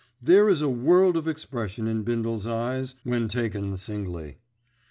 There is a world of expression in Bindle's eyes—when taken singly.